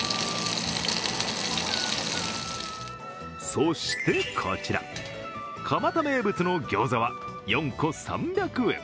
そしてこちら、蒲田名物のギョーザは４個３００円。